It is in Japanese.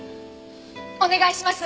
お願いします！